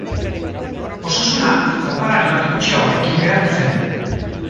Osasuna jokalari bat gutxiagorekin geratu zen.